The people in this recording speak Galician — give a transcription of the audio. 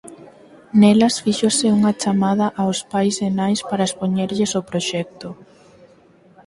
Nelas fíxose unha chamada ós pais e nais para expoñerlles o proxecto.